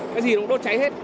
cái gì nó cũng đốt cháy hết